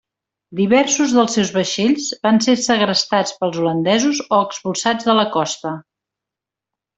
Diversos dels seus vaixells van ser segrestats pels holandesos o expulsats de la costa.